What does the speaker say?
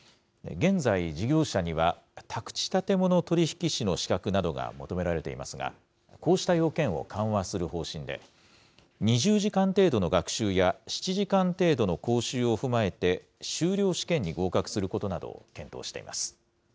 現在、事業者には宅地建物取引士の資格などが求められていますが、こうした要件を緩和する方針で、２０時間程度の学習や７時間程度の講習を踏まえて修了試験に合格することなどを検討しています。